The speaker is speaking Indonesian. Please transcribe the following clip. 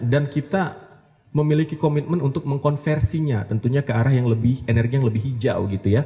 dan kita memiliki komitmen untuk mengkonversinya tentunya ke arah energi yang lebih hijau